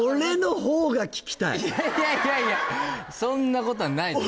いやいやそんなことはないです